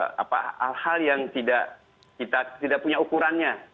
ada hal hal yang tidak kita tidak punya ukurannya